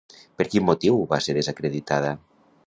Per quin motiu va ser desacreditada?